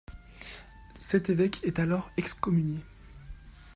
Cet évêque est alors excommunié.